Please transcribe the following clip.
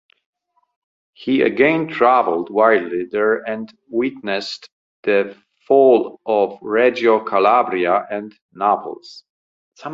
He again travelled widely there and witnessed the fall of Reggio Calabria and Naples.